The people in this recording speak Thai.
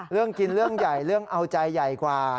เรื่องกินเรื่องใหญ่เรื่องเอาใจใหญ่กว่า